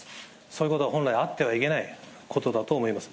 そういうことは本来あってはいけないことだと思います。